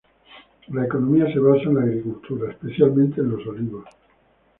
La economía se basa en la agricultura, especialmente en los olivos.